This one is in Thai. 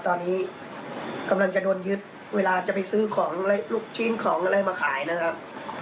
ตอนนี้กำลังจะโดนยึดเวลาจะไปซื้อของลูกชิ้นของอะไรมาขายนะครับ